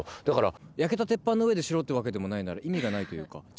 「だから焼けた鉄板の上でしろってわけでもないなら意味がないというか。